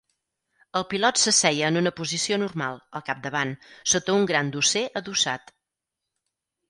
El pilot s'asseia en una posició normal, al capdavant, sota un gran dosser adossat.